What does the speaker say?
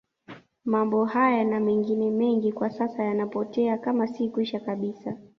Mambo haya na mengine mengi kwa sasa yanapotea kama si kwisha kabisa